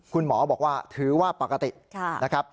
คุณหมอบอกว่าถือว่าปกตินะครับ